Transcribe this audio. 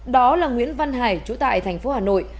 đó là nguyễn văn hải trú tại thành phố hà nội